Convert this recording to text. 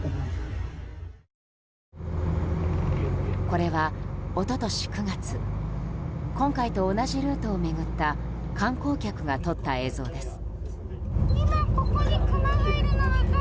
これは、一昨年９月今回と同じルートを巡った観光客が撮った映像です。